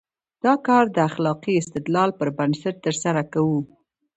دا کار د اخلاقي استدلال پر بنسټ ترسره کوو.